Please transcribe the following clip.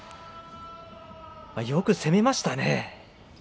よく攻めましたね。